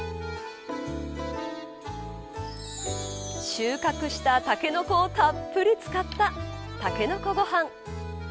収穫したたけのこをたっぷり使ったたけのこご飯。